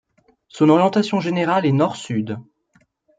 Son orientation générale est nord-sud.